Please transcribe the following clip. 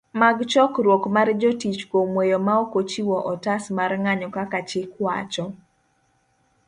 mag chokruok mar jotich kuom weyo maokochiwo otas marng'anyo kaka chik wacho